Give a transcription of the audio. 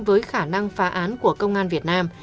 với khả năng phá án của công an việt nam